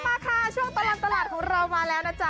มาค่ะช่วงตลอดตลาดของเรามาแล้วนะจ๊ะ